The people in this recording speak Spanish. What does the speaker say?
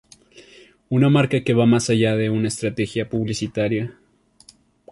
Una marca que va más allá de una estrategia publicitaria.